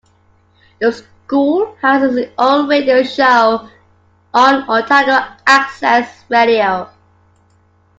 The school has its own radio show on Otago Access Radio.